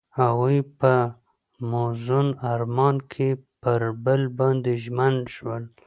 هغوی په موزون آرمان کې پر بل باندې ژمن شول.